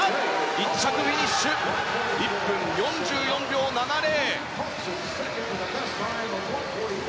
１着フィニッシュ１分４４秒７０。